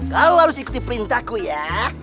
kau harus ikuti perintahku ya